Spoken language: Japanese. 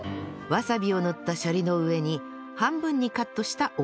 わさびを塗ったシャリの上に半分にカットした大葉